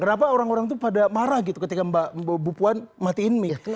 kenapa orang orang itu pada marah gitu ketika bu puan matiin mik